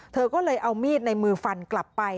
เธอก็เลยเอามีดในมือฟันกลับไป